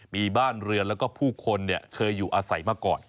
มีบ้านเรือนแล้วก็ผู้คนเคยอยู่อาศัยมาก่อน